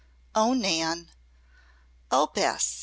"Oh, Nan!" "Oh, Bess!"